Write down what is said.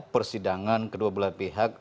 persidangan kedua belah pihak